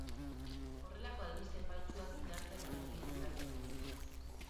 Horrelako albiste faltsuak gizartean eragina izaten ari dira.